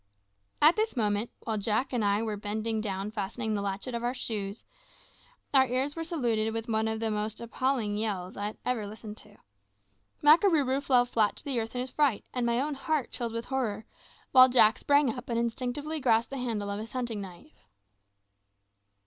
At this moment, while Jack and I were bending down fastening the latchet of our shoes, our ears were saluted with one of the most appalling yells I ever listened to. Makarooroo fell flat to the earth in his fright, and my own heart chilled with horror, while Jack sprang up and instinctively grasped the handle of his hunting knife.